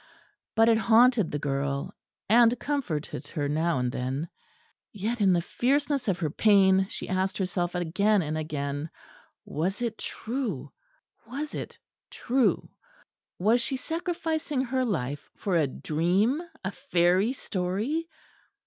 But it haunted the girl and comforted her now and then. Yet in the fierceness of her pain she asked herself again and again, was it true was it true? Was she sacrificing her life for a dream, a fairy story?